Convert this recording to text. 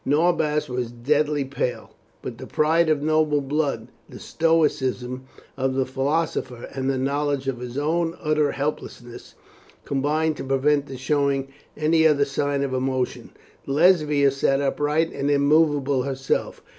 Norbanus was deadly pale, but the pride of noble blood, the stoicism of the philosopher, and the knowledge of his own utter helplessness combined to prevent his showing any other sign of emotion. Lesbia sat upright and immovable herself.